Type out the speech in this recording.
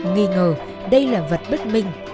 nghĩ ngờ đây là vật bất minh